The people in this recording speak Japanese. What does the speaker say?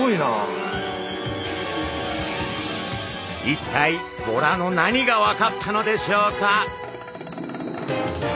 一体ボラの何が分かったのでしょうか？